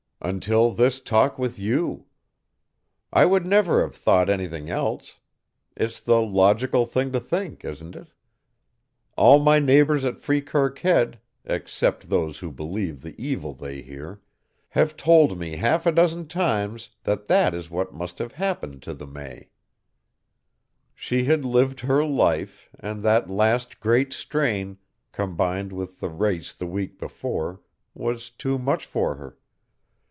"Until this talk with you. I would never have thought anything else. It's the logical thing to think, isn't it? All my neighbors at Freekirk Head, except those who believe the evil they hear, have told me half a dozen times that that is what must have happened to the May. She had lived her life and that last great strain, combined with the race the week before, was too much for her.